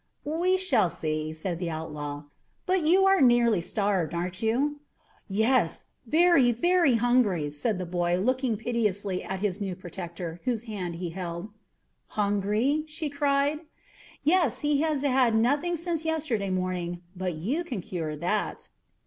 "We shall see," said the outlaw; "but you are nearly starved, aren't you?" "Yes, very, very hungry," said the boy, looking piteously at his new protector, whose hand he held. "Hungry?" she cried. "Yes, he has had nothing since yesterday morning; but you can cure that."